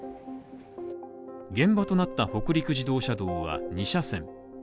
現場となった北陸自動車道は２車線。